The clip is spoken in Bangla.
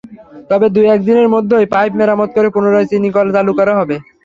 তবে দু-এক দিনের মধ্যেই পাইপ মেরামত করে পুনরায় চিনিকল চালু করা হবে।